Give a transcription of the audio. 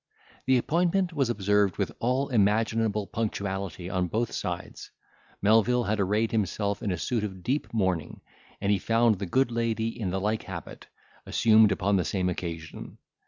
The appointment was observed with all imaginable punctuality on both sides. Melvil had arrayed himself in a suit of deep mourning, and he found the good lady in the like habit, assumed upon the same occasion.